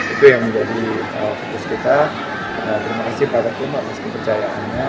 itu yang menjadi fokus kita terima kasih pak rekun pak mas kepercayaannya